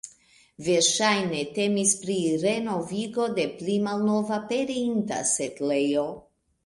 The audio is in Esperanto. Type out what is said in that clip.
Verŝajne temis pri renovigo de pli malnova pereinta setlejo.